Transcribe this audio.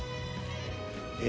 え